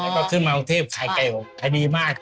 แล้วก็ขึ้นมากรุงเทพขายไก่ขายดีมาก